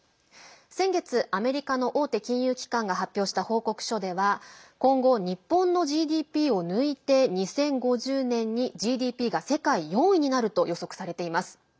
先月、アメリカの大手金融機関が発表した報告書では今後、日本のＧＤＰを抜いて２０５０年にＧＤＰが世界４位になると予測されています。